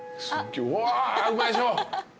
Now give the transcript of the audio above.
うわうまいでしょ。